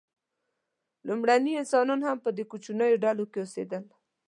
لومړني انسانان هم په کوچنیو ډلو کې اوسېدل.